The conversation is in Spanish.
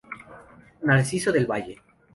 Narciso del Valle.